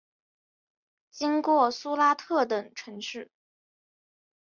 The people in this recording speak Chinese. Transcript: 经过苏拉特等城市。